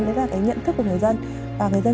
đấy là cái nhận thức của người dân và người dân